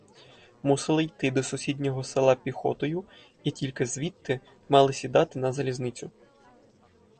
Мусили йти до сусіднього села піхотою і тільки звідти мали сідати на залізницю.